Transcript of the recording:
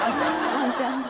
ワンちゃん。